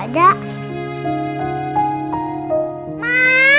kok nggak ada